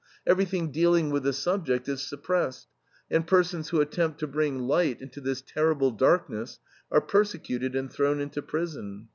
Everything dealing with the subject is suppressed, and persons who attempt to bring light into this terrible darkness are persecuted and thrown into prison.